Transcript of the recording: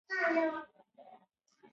د لیمو شربت ډېر ښه دی.